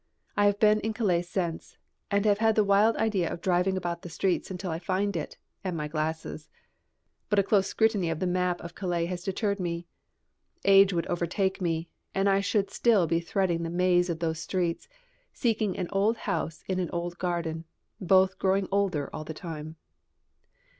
I have been in Calais since, and have had the wild idea of driving about the streets until I find it and my glasses. But a close scrutiny of the map of Calais has deterred me. Age would overtake me, and I should still be threading the maze of those streets, seeking an old house in an old garden, both growing older all the time.